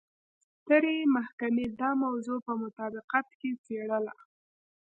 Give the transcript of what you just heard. سترې محکمې دا موضوع په مطابقت کې څېړله.